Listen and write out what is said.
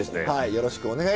よろしくお願いします。